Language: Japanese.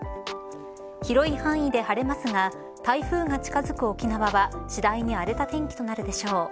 広い範囲で晴れますが台風が近づく沖縄は次第に荒れた天気となるでしょう。